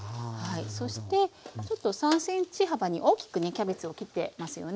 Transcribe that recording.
そしてちょっと３ｃｍ幅に大きくねキャベツを切ってますよね。